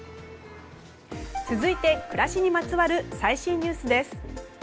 続いて暮らしにまつわる最新ニュースです。